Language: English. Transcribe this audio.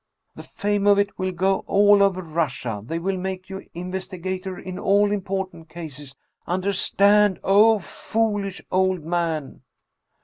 The fame of it will go all over Russia. They will make you investigator in all important cases. Understand, O foolish old man!"